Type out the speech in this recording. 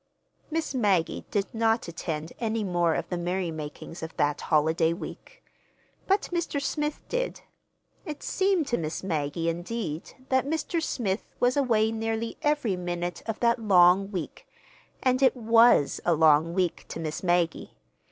Miss Maggie did not attend any more of the merrymakings of that holiday week. But Mr. Smith did. It seemed to Miss Maggie, indeed, that Mr. Smith was away nearly every minute of that long week—and it was a long week to Miss Maggie.